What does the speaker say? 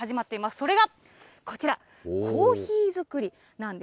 それがこちら、コーヒー作りなんです。